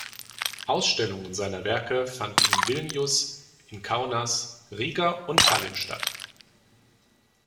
Ausstellungen seiner Werke fanden in Vilnius, in Kaunas, Riga und Tallinn statt.